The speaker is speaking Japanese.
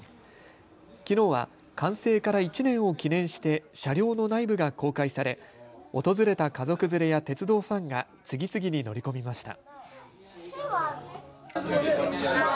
きのうは完成から１年を記念して車両の内部が公開され訪れた家族連れや鉄道ファンが次々に乗り込みました。